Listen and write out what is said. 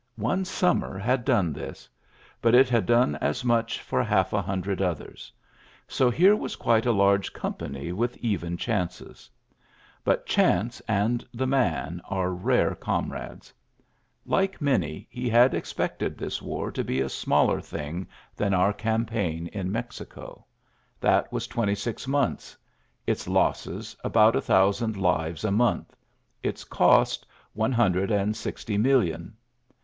One summer had done this; but it had done as much for half a hundred others. So here was quite a large company with even chances. But chance and the man are rare comrades. P ULYSSES S. GEANT 49 > Like many, he had expected this war I to be a smaller thing than onr cam ' paign in Mexico. That was twenty six ^ months j its losses, about a thousand lives a month ; its cost, one hundred and sixty J million.